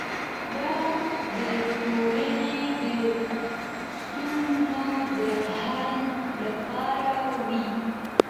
دا د ټولنې د ستونزو د حل لپاره وي.